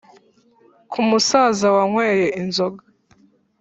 ku musaza wanyweye inzoga,